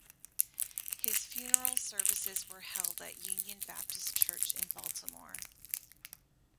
His funeral services were held at Union Baptist Church in Baltimore.